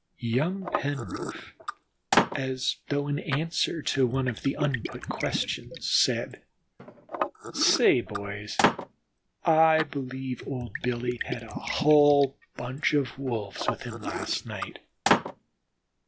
Young Penroof, as though in answer to one of the unput questions, said: "Say, boys, I believe old Billy had a hull bunch of Wolves with him last night."